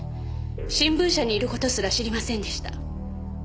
新聞社にいる事すら知りませんでした。